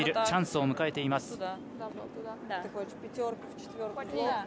チャンスを迎えています。